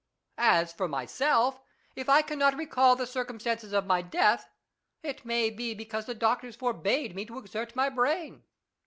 As for myself, if I cannot recall the circumstances of my death, it may be because the doctors forbade me to exert my brain.